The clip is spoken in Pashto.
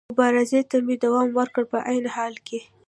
مبارزې ته مې دوام ورکړ، په عین حال کې.